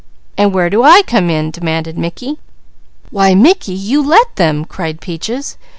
"And where do I come in?" demanded Mickey. "Why Mickey, you 'let' them!" cried Peaches.